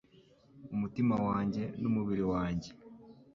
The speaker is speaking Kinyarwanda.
umutima wanjye n’umubiri wanjye